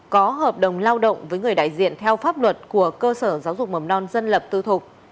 có hợp đồng lao động với người đại diện theo pháp luật của cơ sở giáo dục mầm non dân lập tư thục